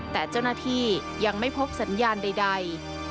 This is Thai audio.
แต่เจ้าหน้าที่ยังไม่พบสัญญาณใด